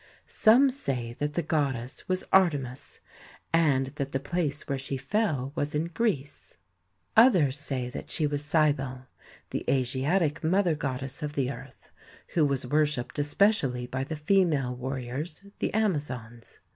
Some say that the goddess was Artemis, and that the place where she fell was in Greece. Others say that she was Cybele, the Asiatic Mother Goddess of the Earth, who was worshipped especially by the female warriors, the Amazons.